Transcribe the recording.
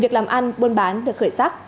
việc làm ăn buôn bán được khởi sắc